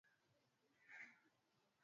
Majina ya wenyeji